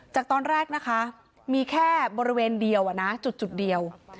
จากตอนแรกนะคะมีแค่บริเวณเดียวนะจุดเดียว